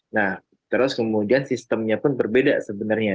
nah terus kemudian sistemnya pun berbeda sebenarnya